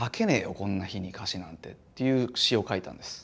こんな日に歌詞なんてっていう詞を書いたんです。